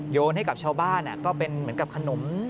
โยนให้กับชาวบ้านก็เป็นเหมือนกับขนม